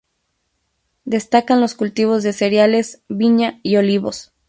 Destacan los cultivos de cereales, viña y olivos.